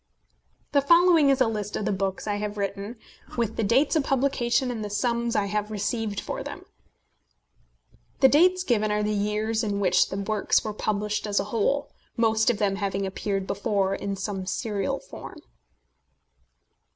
The following is a list of the books I have written, with the dates of publication and the sums I have received for them. The dates given are the years in which the works were published as a whole, most of them having appeared before in some serial form.